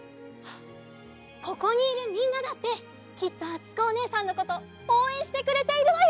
ここにいるみんなだってきっとあつこおねえさんのことおうえんしてくれているわよ。